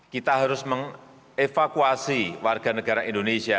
kita harus mengevakuasi warga negara indonesia